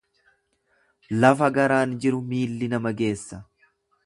Lafa garaan jiru miilli nama geessa.